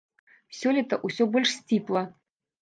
Сёлета ўсё больш сціпла.